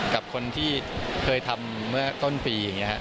กับคนที่เคยทำเมื่อต้นปีอย่างนี้ครับ